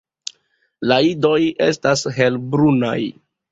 La idoj estas helbrunaj.